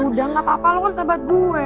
udah gak apa apa lo kan sahabat gue